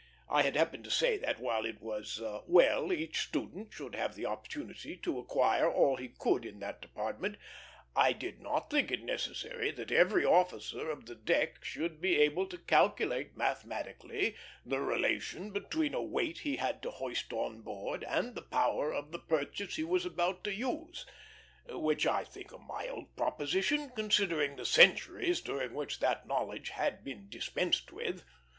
I had happened to say that, while it was well each student should have the opportunity to acquire all he could in that department, I did not think it necessary that every officer of the deck should be able to calculate mathematically the relation between a weight he had to hoist on board and the power of the purchase he was about to use; which I think a mild proposition, considering the centuries during which that knowledge had been dispensed with.